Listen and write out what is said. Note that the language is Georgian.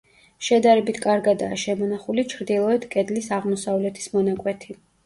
შედარებით კარგადაა შემონახული ჩრდილოეთ კედლის აღმოსავლეთის მონაკვეთი.